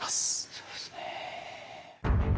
そうですね。